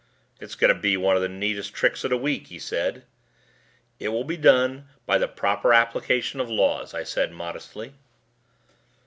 "It's going to be one of the neatest tricks of the week," he said. "It will be done by the proper application of laws," I said modestly.